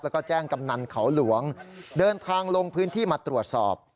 แล้วก็แจ้งกำนันเขาหลวงเดินทางลงพื้นที่มาตรวจสอบ